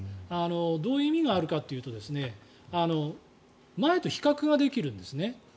どういう意味があるかというと前と比較ができるんですね。